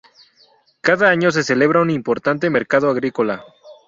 Cada año se celebra un importante mercado agrícola.